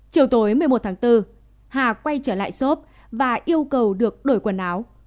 chiều tối một mươi một tháng bốn hà quay trở lại shop và yêu cầu được đổi quần áo